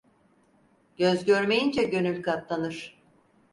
Göz görmeyince gönül katlanır.